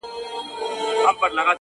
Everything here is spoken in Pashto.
o د ژرندي زه راځم، غوږونه ستا سپېره دي.